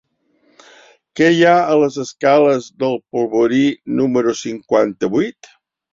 Què hi ha a les escales del Polvorí número cinquanta-vuit?